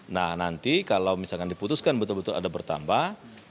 nah nanti kalau misalkan diputuskan betul betul ada bertambah